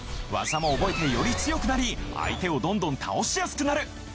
わざも覚えてより強くなり相手をどんどん倒しやすくなる。